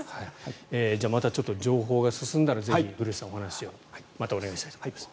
じゃあまたちょっと情報が進んだら古内さんにお話をまたお願いしたいと思います。